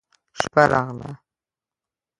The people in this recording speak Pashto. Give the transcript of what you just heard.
شپه راغله.